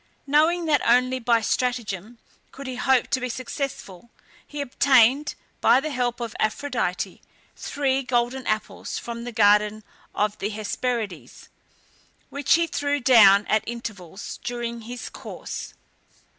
Knowing that only by stratagem could he hope to be successful, he obtained, by the help of Aphrodite, three golden apples from the garden of the Hesperides, which he threw down at intervals during his course.